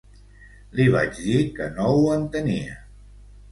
Li vaig dir que no ho entenia.